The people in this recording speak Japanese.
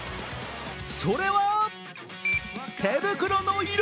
それは手袋の色！